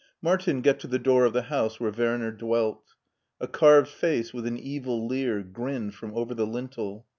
Martin got to the door of the house where Werner dwelt. A carved face with an evil leer grinned from over the lintel.